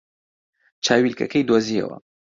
چاویلکەکەی دۆزییەوە.